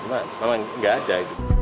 cuman memang tidak ada